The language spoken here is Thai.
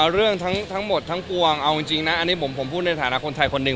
เรื่องทั้งหมดทั้งกวงอันนี้ผมพูดในฐานะคนไทยคนหนึ่ง